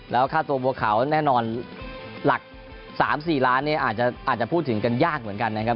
แล้วค่าตัวบัวขาวแน่นอนหลัก๓๔ล้านเนี่ยอาจจะพูดถึงกันยากเหมือนกันนะครับ